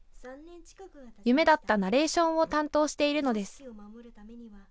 夢だったナレーションを担当しているのです。